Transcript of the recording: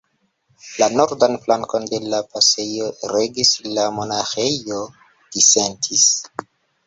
La nordan flankon de la pasejo regis la Monaĥejo Disentis.